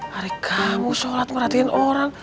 hari kamu sholat ngerhatiin orang